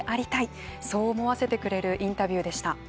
そう思わせてくれるインタビューでした。